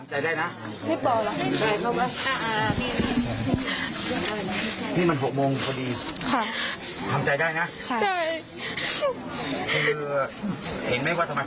เห็นมั้ยว่าผมตายเชื้อดำมาครึ่ง